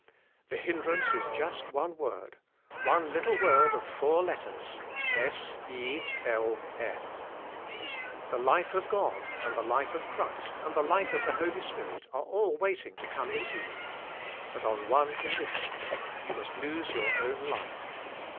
The hindrance is just one word, one little word of four letters, "s=e l f." The life of God and the life of Christ and the life of the Holy Spirit are all waiting to come into you. But on one condition: you must lose your own life.